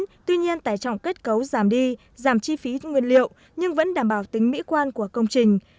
cầu sử dụng lớn tuy nhiên tài trọng kết cấu giảm đi giảm chi phí nguyên liệu nhưng vẫn đảm bảo tính mỹ quan của công trình